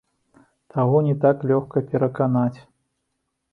Таго не так лёгка пераканаць.